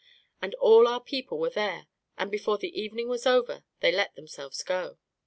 — and all our people were there, and before the eve ning was over they let themselves go.